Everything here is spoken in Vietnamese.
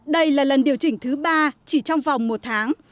đây là lần điều chỉnh thứ ba chỉ trong vòng một tháng